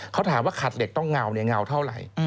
เขาถามว่าขัดเหล็กต้องเงาเท่าไร